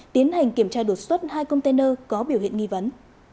tiến hành kiểm tra đột xuất hai container có biểu hiện nghi vấn